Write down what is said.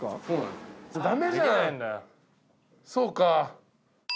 そうか。